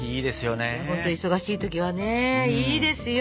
忙しい時はねいいですよ。